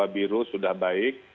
dua biru sudah baik